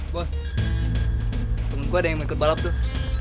bos temen gue ada yang mau ikut balap tuh